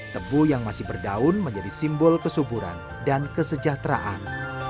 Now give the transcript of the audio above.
tebu yang masih berdaun menjadi simbol kesuburan dan kesejahteraan